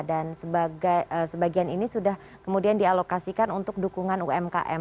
dan sebagian ini sudah kemudian dialokasikan untuk dukungan umkm